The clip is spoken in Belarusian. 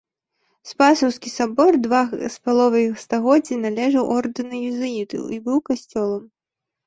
Спасаўскі сабор два з паловай стагоддзі належаў ордэну езуітаў і быў касцёлам.